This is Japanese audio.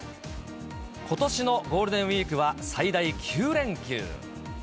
ことしのゴールデンウィークは、最大９連休。